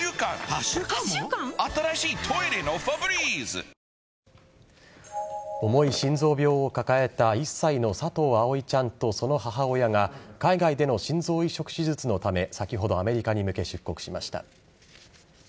警察は今日遺体の司法解剖を行い重い心臓病を抱えた１歳の佐藤葵ちゃんとその母親が海外での心臓移植手術のため先ほどアメリカに向け出国しました。